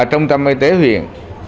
trung tâm y tế huyện